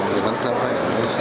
yang kelima sampai indonesia